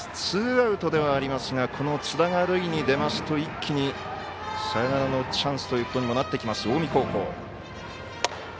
ツーアウトではありますがこの津田が塁に出ますと一気にサヨナラのチャンスということにもなってくる近江高校。